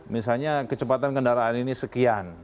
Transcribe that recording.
misalnya kecepatan kendaraan ini sekian